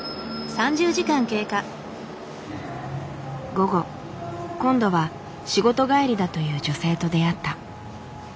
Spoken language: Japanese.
午後今度は仕事帰りだという女性と出会った。